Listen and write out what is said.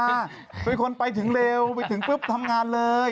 พูดดำใหญ่คนไปถึงเร็วพูดดำใหญ่คนไปถึงปุ๊ปทำงานเลย